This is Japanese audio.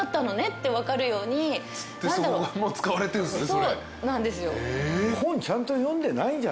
そうなんですよ。